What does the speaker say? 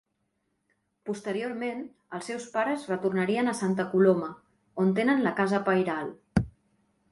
Posteriorment, els seus pares retornarien a Santa Coloma, on tenen la casa pairal.